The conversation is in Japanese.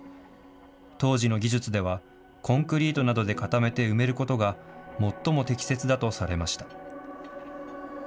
当時の技術では、コンクリートなどで固めて埋めることが最も適切だとされていました。